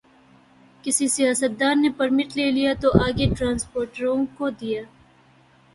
کسی سیاستدان نے پرمٹ لے لیا تو آگے ٹرانسپورٹروں کو دیا۔